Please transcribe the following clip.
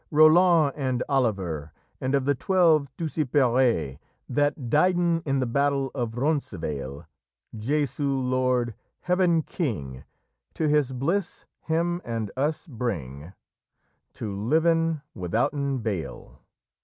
"... Roland, and Olyvere, And of the twelve Tussypere, That dieden in the batayle of Runcyvale; Jesu lord, heaven king, To his bliss hem and us both bring, To liven withouten bale!"